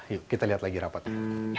yuk kita lihat lagi rapatnya